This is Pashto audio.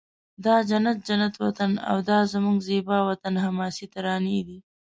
دا جنت جنت وطن او دا زموږ زیبا وطن حماسې ترانې دي